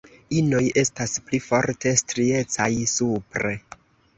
Inoj estas pli forte striecaj supre.